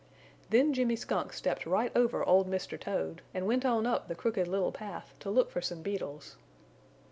Then Jimmy Skunk stepped right over old Mr. Toad, and went on up the Crooked Little Path to look for some beetles.